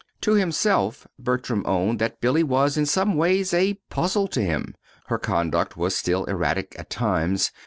To himself Bertram owned that Billy was, in some ways, a puzzle to him. Her conduct was still erratic at times.